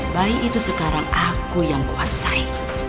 bayi itu sekarang aku yang kuasai